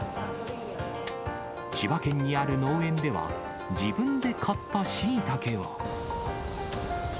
千葉県にある農園では、自分で狩ったしいたけを。